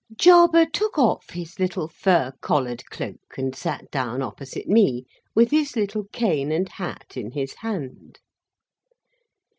Jarber took off his little fur collared cloak, and sat down opposite me, with his little cane and hat in his hand.